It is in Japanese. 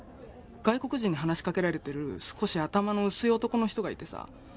外国人に話し掛けられてる少し頭の薄い男の人がいてさ。